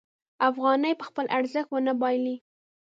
افغانۍ به خپل ارزښت ونه بایلي.